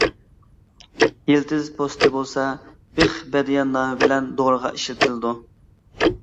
يىلتىز پوستى بولسا بىخ بەدىيان نامى بىلەن دورىغا ئىشلىتىلىدۇ.